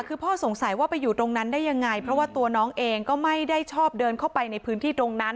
คือพ่อสงสัยว่าไปอยู่ตรงนั้นได้ยังไงเพราะว่าตัวน้องเองก็ไม่ได้ชอบเดินเข้าไปในพื้นที่ตรงนั้น